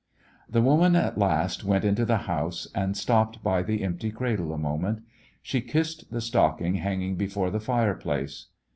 The woman at last went into the house, and stopped by the empty cradle a moment. She kissed the stocking hanging before the fireplace.